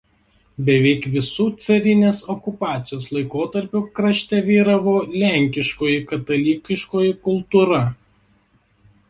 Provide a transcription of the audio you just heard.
Beveik visu carinės okupacijos laikotarpiu krašte vyravo lenkiškoji katalikiškoji kultūra.